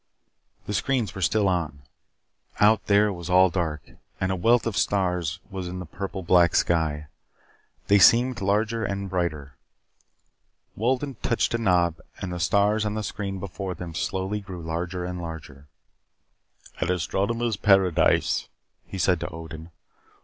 The screens were still on. Out there all was dark, and a wealth of stars was in the purple black sky. They seemed larger and brighter. Wolden touched a knob and the stars on the screen before them slowly grew larger and larger. "An astronomer's paradise," he said to Odin.